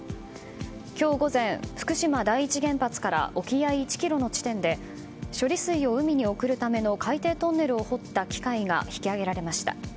今日午前、福島第一原発から沖合１ｋｍの地点で処理水を海に送るための海底トンネルを掘った機械が引き揚げられました。